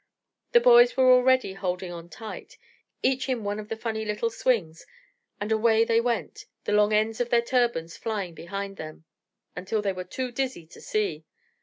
The boys were already holding on tight, each in one of the funny little swings; and away they went, the long ends of their turbans flying behind them, until they were too dizzy to see.